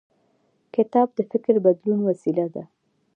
کتاب د فکر بدلون وسیله ده.